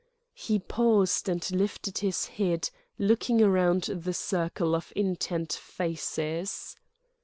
He paused and lifted his head, looking round the circle of intent faces.